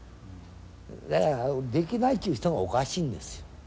だからできないっちゅう人がおかしいんですよ。